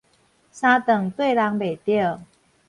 三頓綴人袂著